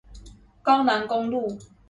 高楠公路